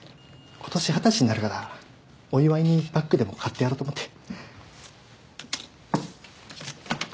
今年二十歳になるからお祝いにバッグでも買ってやろうと思って。